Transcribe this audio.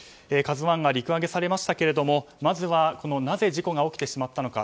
「ＫＡＺＵ１」が陸揚げされましたけどまずはなぜ事故が起きてしまったのか。